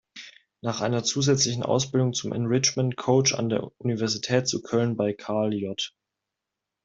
Nach einer zusätzlichen Ausbildung zum Enrichment-Coach an der Universität zu Köln bei Karl-J.